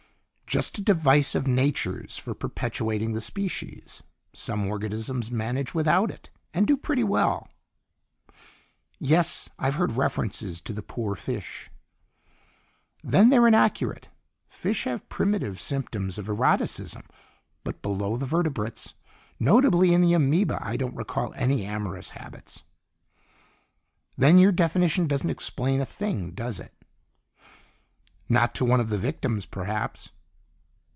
"Just a device of Nature's for perpetuating the species. Some organisms manage without it, and do pretty well." "Yes. I've heard references to the poor fish!" "Then they're inaccurate; fish have primitive symptoms of eroticism. But below the vertebrates, notably in the amoeba, I don't recall any amorous habits." "Then your definition doesn't explain a thing, does it?" "Not to one of the victims, perhaps."